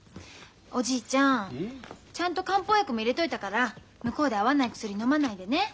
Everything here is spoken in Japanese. おじいちゃんちゃんと漢方薬も入れといたから向こうで合わない薬のまないでね。